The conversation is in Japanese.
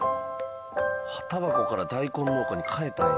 葉タバコから大根農家に変えたんや。